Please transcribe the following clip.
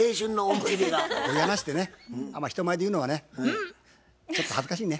こういう話ってねあんま人前で言うのはねちょっと恥ずかしいね。